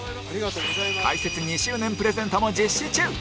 開設２周年プレゼントも実施中！